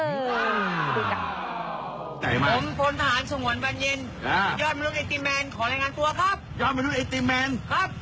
อ๋อพูดกัน